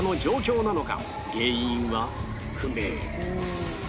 原因は不明